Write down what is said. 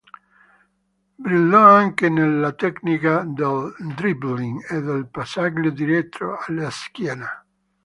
Brillò anche nella tecnica del dribbling e del passaggio dietro la schiena.